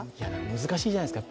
難しいじゃないですか。